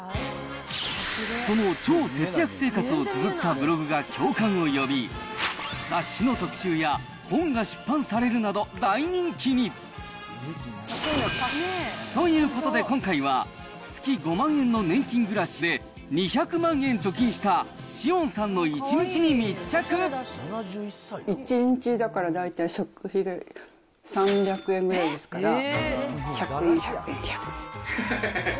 その超節約生活をつづったブログが共感を呼び、雑誌の特集や本が出版されるなど大人気に。ということで、今回は、月５万円の年金暮らしで２００万円貯金した紫苑さんの一日に密着１日、だから大体食費が３００円ぐらいですから、１００円、１００円、１００円。